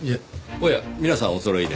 おや皆さんおそろいで。